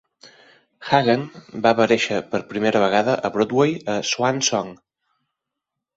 Hagen va aparèixer per primera vegada a Broadway a "Swan Song".